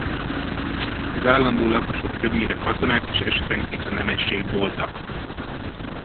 Az állandó lakosok többnyire katonák és esetenként a nemesség voltak.